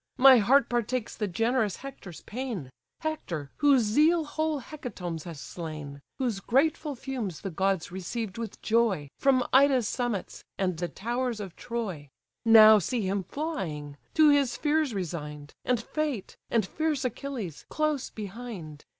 My heart partakes the generous Hector's pain; Hector, whose zeal whole hecatombs has slain, Whose grateful fumes the gods received with joy, From Ida's summits, and the towers of Troy: Now see him flying; to his fears resign'd, And fate, and fierce Achilles, close behind.